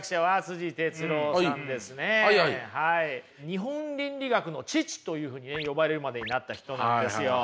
日本倫理学の父というふうに呼ばれるまでになった人なんですよ。